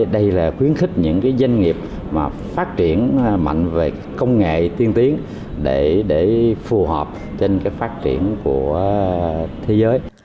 đây là khuyến khích những doanh nghiệp phát triển mạnh về công nghệ tiên tiến để phù hợp trên phát triển của thế giới